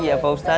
iya pak ustadz